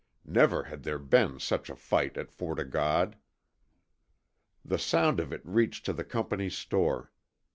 Never had there been such a fight at Fort O' God. The sound of it reached to the Company's store.